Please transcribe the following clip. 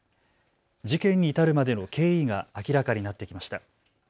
事件に至るまでの経緯が明らかになってきました。